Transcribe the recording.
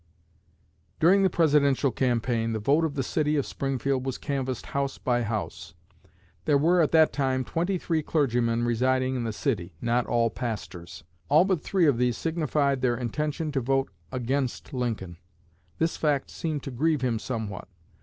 During the Presidential campaign, the vote of the city of Springfield was canvassed house by house. There were at that time twenty three clergymen residing in the city (not all pastors). All but three of these signified their intention to vote against Lincoln. This fact seemed to grieve him somewhat.